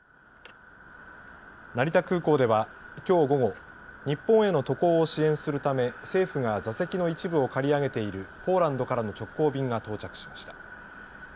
成田空港ではきょう午後、日本への渡航を支援するため政府が座席の一部を借り上げているポーランドからの直行便が到着しました。